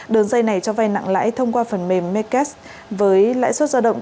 đường dây này cho vay nặng lãi thông qua phần mềm mekes với lãi suất giao động